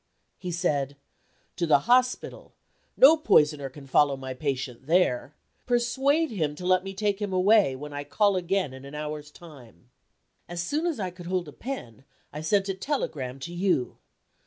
He said: "To the hospital. No poisoner can follow my patient there. Persuade him to let me take him away, when I call again in an hour's time." As soon as I could hold a pen, I sent a telegram to you.